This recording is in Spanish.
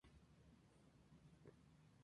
De esta manera se entra al pacto...